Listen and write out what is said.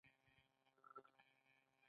هغه د خلکو له خوا ډېر وستایل شو.